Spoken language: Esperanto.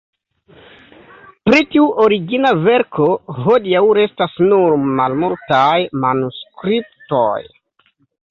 Pri tiu origina verko hodiaŭ restas nur malmultaj manuskriptoj.